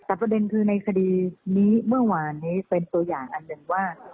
แต่ประเด็นคือในคดีนี้เมื่อวานนี้เป็นตัวอย่างอันหนึ่งว่า